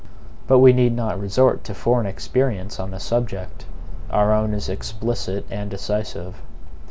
But we need not resort to foreign experience on this subject. Our own is explicit and decisive.